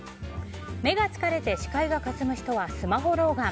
目が疲れて視界がかすむ人はスマホ老眼。